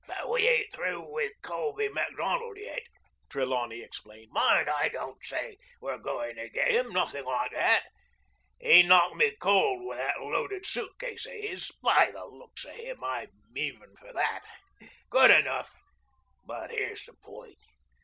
"But we ain't through with Colby Macdonald yet," Trelawney explained. "Mind, I don't say we're going to get him. Nothing like that. He knocked me cold with that loaded suitcase of his. By the looks of him I'm even for that. Good enough. But here's the point.